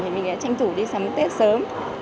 thì mình đã tranh thủ đi sắm tết sớm